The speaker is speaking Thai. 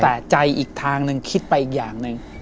แต่ใจอีกทางหนึ่งคิดไปอีกอย่างหนึ่ง